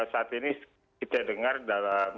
saat ini kita dengar dalam